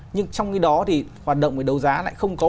nhưng trong khi đó thì hoạt động về đấu giá lại không có